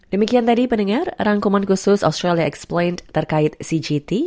demikian tadi pendengar rangkuman khusus australia exploin terkait cgt